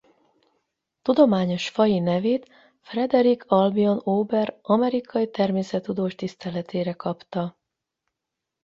Tudományos faji nevét Frederick Albion Ober amerikai természettudós tiszteletére kapta.